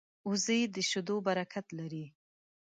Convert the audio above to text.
وزې د شیدو برکت لري